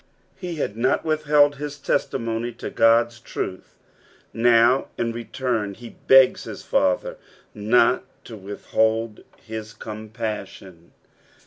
He had not withheld his testimony to God's truth, now in return he begs his i'ather not to withhold his compaauon.